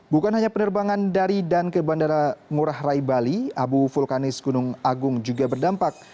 bukan hanya penerbangan dari dan ke bandara ngurah rai bali abu vulkanis gunung agung juga berdampak